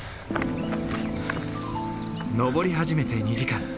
登り始めて２時間。